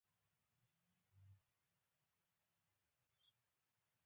هیڅ قانون د اسلام د احکامو مخالف نشي کیدای.